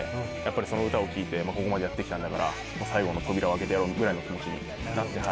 その歌を聴いてここまでやって来たんだから最後の扉を開けてやろう！ぐらいの気持ち。